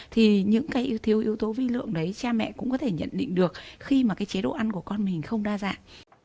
thì những cái yếu thiếu yếu tố vi lượng đấy cha mẹ cũng có thể nhận định được khi mà cái chế độ ăn của con mình không đa dạng